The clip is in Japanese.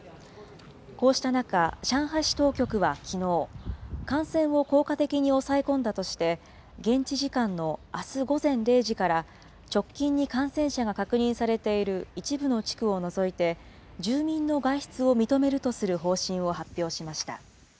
こうした中、上海市当局はきのう、感染を効果的に抑え込んだとして、現地時間のあす午前０時から、直近に感染者が確認されている一部の地区を除いて、住民の外出を認めるとする方針を発表しました。